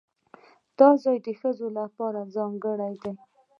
دا ځای د ښځو لپاره ځانګړی دی.